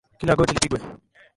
Kila goti lipigwe.